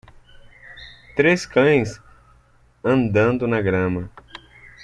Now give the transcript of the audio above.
Três cães andando na grama.